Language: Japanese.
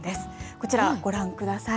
こちら、ご覧ください。